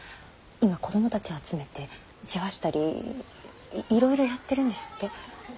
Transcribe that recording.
今子供たちを集めて世話したりいろいろやってるんですって。